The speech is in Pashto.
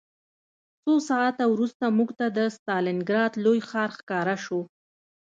څو ساعته وروسته موږ ته د ستالینګراډ لوی ښار ښکاره شو